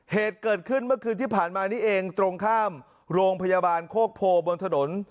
เหตุเกิดขึ้นเมื่อคืนที่ผ่านมานี้เองตรงข้ามโรงพยาบาลโคกโพบนถนน